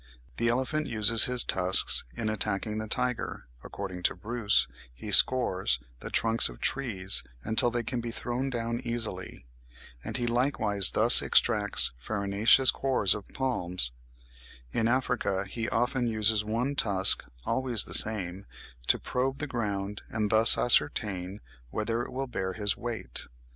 The elephant uses his tusks in attacking the tiger; according to Bruce, he scores the trunks of trees until they can be thrown down easily, and he likewise thus extracts the farinaceous cores of palms; in Africa he often uses one tusk, always the same, to probe the ground and thus ascertain whether it will bear his weight.